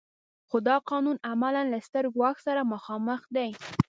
خو دا قانون عملاً له ستر ګواښ سره مخامخ دی.